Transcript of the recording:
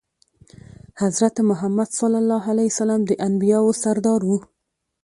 حضرت محمد د انبياوو سردار وو.